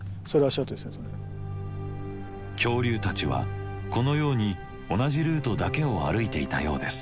恐竜たちはこのように同じルートだけを歩いていたようです。